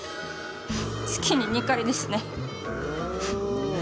月に２回ですね。